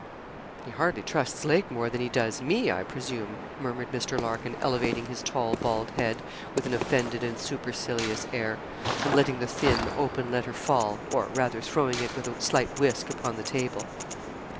'He hardly trusts Lake more than he does me, I presume,' murmured Mr. Larkin, elevating his tall bald head with an offended and supercilious air; and letting the thin, open letter fall, or rather throwing it with a slight whisk upon the table.